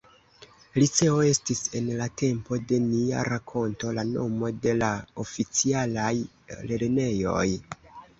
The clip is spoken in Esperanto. Liceo estis, en la tempo de nia rakonto, la nomo de la oficialaj lernejoj.